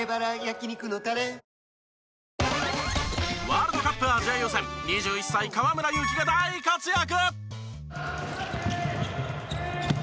ワールドカップアジア予選２１歳河村勇輝が大活躍！